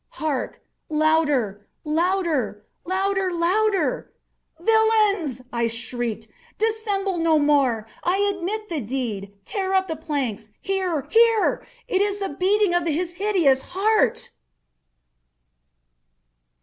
—hark! louder! louder! louder! louder! "Villains!" I shrieked, "dissemble no more! I admit the deed!—tear up the planks!—here, here!—It is the beating of his hideous heart!"